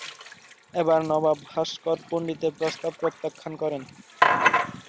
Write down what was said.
এজন্য নবাব ভাস্কর পণ্ডিতের প্রস্তাব প্রত্যাখ্যান করেন।